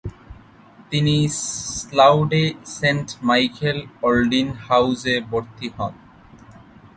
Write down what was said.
তিনি স্লাউয়ে Saint Michael Aldin হাউজে ভর্তি হন।